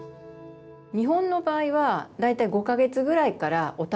日本の場合は大体５か月ぐらいからお試しをして。